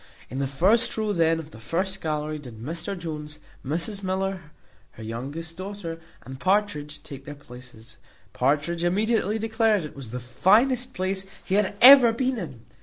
In the first row then of the first gallery did Mr Jones, Mrs Miller, her youngest daughter, and Partridge, take their places. Partridge immediately declared it was the finest place he had ever been in.